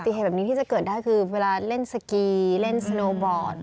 เหตุแบบนี้ที่จะเกิดได้คือเวลาเล่นสกีเล่นสโนบอร์ด